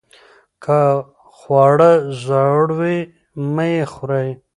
که خواړه زوړ وي مه یې خورئ.